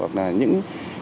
hoặc là những trường hợp